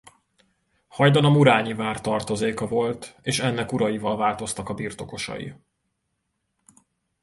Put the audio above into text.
Hajdan a murányi vár tartozéka volt és ennek uraival változtak a birtokosai.